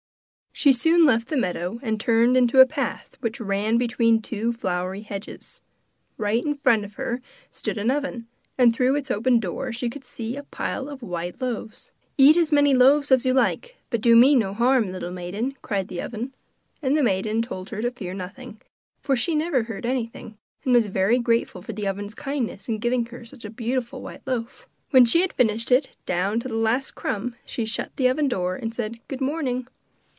She soon left the meadow and turned into a path which ran between two flowery hedges. Right in front of her stood an oven, and through its open door she could see a pile of white loaves. 'Eat as many loaves as you like, but do me no harm, little maiden,' cried the oven. And the maiden told her to fear nothing, for she never hurt anything, and was very grateful for the oven's kindness in giving her such a beautiful white loaf. When she had finished it, down to the last crumb, she shut the oven door and said: 'Good morning.